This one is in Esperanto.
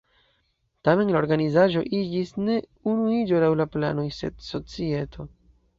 Tamen la organizaĵo iĝis ne Unuiĝo laŭ la planoj, sed "Societo".